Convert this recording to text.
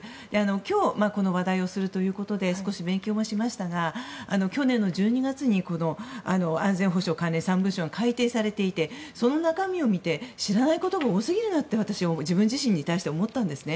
今日この話題をするということで少し勉強もしましたが去年１１月に安全保障関連３文書が改定されていてその中身を見て知らないことが多すぎるなと自分自身に対して思ったんですね。